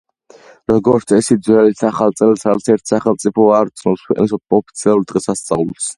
როგორც წესი, ძველით ახალ წელს, არც ერთი სახელმწიფო არ ცნობს ქვეყნის ოფიციალურ დღესასწაულად.